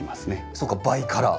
そうかバイカラー。